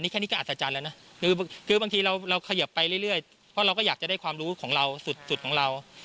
แค่นี้ก็อัศจรรย์แล้วนะคือบางทีเราขยับไปเรื่อยเพราะเราก็อยากจะได้ความรู้ของเราสุดของเรา